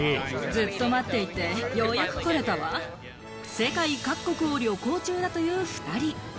世界各国を旅行中だという２人。